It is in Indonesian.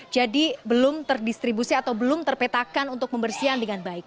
jadi belum terdistribusi atau belum terpetakan untuk membersihkan dengan baik